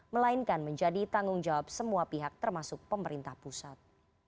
melainkan menjadi tanggung jawab semua pihak termasuk pemerintah pusat